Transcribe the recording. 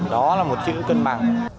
đó là một chữ cần mang